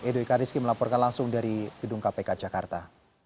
edo ekariski melaporkan langsung dari gedung kpk jakarta